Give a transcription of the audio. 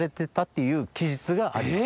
いう記述があります。